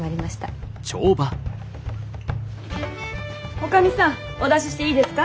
女将さんお出ししていいですか？